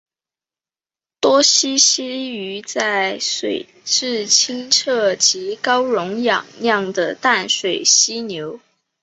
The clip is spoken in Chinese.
多栖息于在水质清澈及高溶氧量的淡水溪流。